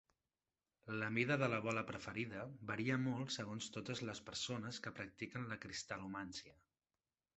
La mida de la bola preferida varia molt segons totes les persones que practiquen la cristal·lomància.